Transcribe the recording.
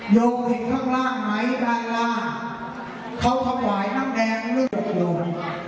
โยงเห็นข้างล่างไหมไทรลาเขาข้างหวายน้ำแดงนึกโยง